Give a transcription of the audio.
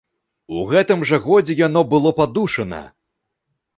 У гэтым жа годзе яно было падушана.